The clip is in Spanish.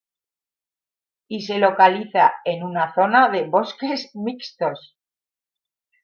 Y se localiza en una zona de bosques mixtos.